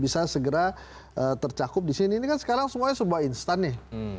bisa segera tercakup di sini ini kan sekarang semuanya sebuah instan nih